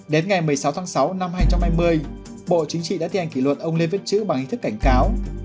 đến ngày một mươi sáu tháng sáu năm hai nghìn hai mươi bộ chính trị đã thi hành kỷ luật ông lê viết chữ bằng hình thức cảnh cáo